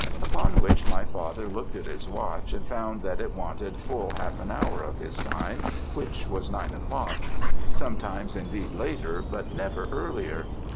Upon which my father looked at his watch, and found that it wanted full half an hour of his time, which was nine o'clock; sometimes, indeed, later, but never earlier.